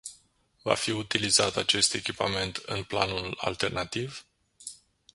Va fi utilizat acest echipament în planul alternativ?